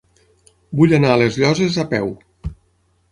Vull anar a les Llosses a peu.